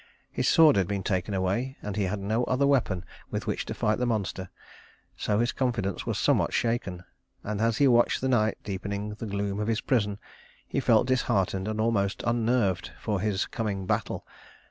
His sword had been taken away, and he had no other weapon with which to fight the monster, so his confidence was somewhat shaken; and as he watched the night deepening the gloom of his prison, he felt disheartened and almost unnerved for his coming battle.